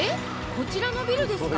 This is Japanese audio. こちらのビルですか？